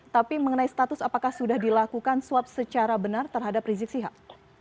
tapi mengenai status apakah sudah dilakukan swab secara benar terhadap rizik sihab